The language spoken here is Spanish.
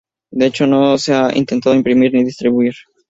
De hecho, no se ha intentado imprimir ni distribuir".